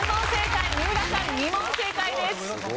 三浦さん２問正解です。